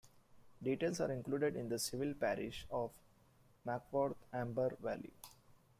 Details are included in the civil parish of Mackworth, Amber Valley.